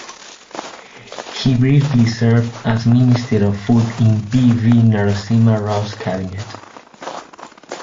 He briefly served as Minister of Food in P. V. Narasimha Rao's cabinet.